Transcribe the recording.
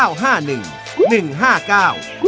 สวัสดีครับ